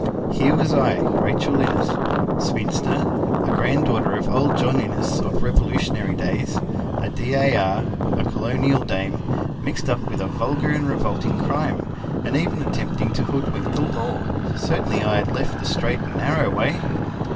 Here was I, Rachel Innes, spinster, a granddaughter of old John Innes of Revolutionary days, a D. A. R., a Colonial Dame, mixed up with a vulgar and revolting crime, and even attempting to hoodwink the law! Certainly I had left the straight and narrow way.